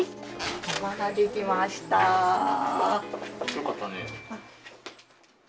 よかったね。